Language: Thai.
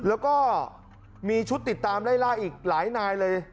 แล้วก็มีชุดติดตามไล่ล่าอีกหลายนายเลย